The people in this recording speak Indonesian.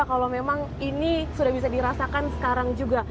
kalau memang ini sudah bisa dirasakan sekarang juga